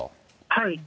はい。